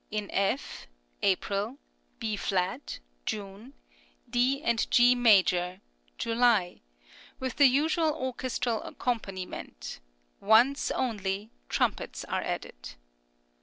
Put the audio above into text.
in F (April), B flat ( June), D and G major ( July), with the usual orchestral accompaniment; once, only, trumpets are added.